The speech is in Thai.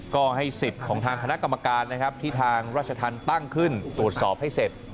ก็ให้สิทธิ์ของทางคณะกรรมการนะครับที่ทางราชธรรมตั้งขึ้นตรวจสอบให้เสร็จ